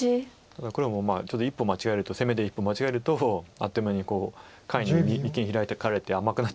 ただ黒もちょっと一歩間違えると攻めで一歩間違えるとあっという間に下辺に二間ヒラかれて甘くなっちゃうので。